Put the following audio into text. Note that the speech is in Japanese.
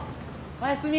おやすみ！